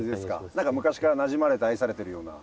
何か昔からなじまれて愛されてるような。